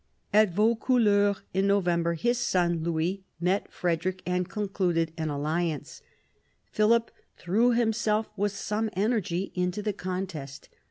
At 92 PHILIP AUGUSTUS chap. Vaucouleurs in November his son Louis met Frederic and concluded an alliance. Philip threw himself with some energy into the contest.